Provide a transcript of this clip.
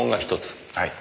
はい。